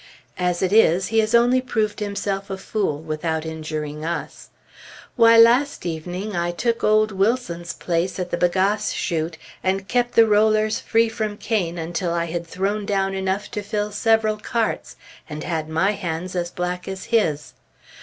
As it is, he has only proved himself a fool, without injuring us. Why, last evening I took old Wilson's place at the bagasse shoot, and kept the rollers free from cane until I had thrown down enough to fill several carts, and had my hands as black as his.